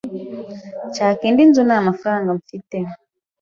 nshaka indi nzu nta mafaranga mfite,